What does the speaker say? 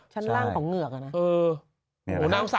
ชั้นล่างของเหงือกอะนะ